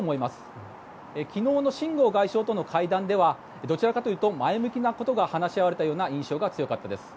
昨日のシン・ゴウ外相との会談ではどちらかというと前向きなことが話し合われたような印象が強かったです。